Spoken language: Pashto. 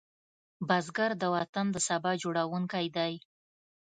بزګر د وطن د سبا جوړوونکی دی